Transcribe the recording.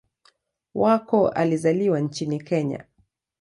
Wako alizaliwa nchini Kenya.